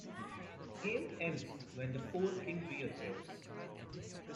Game ends when that fourth King reappears.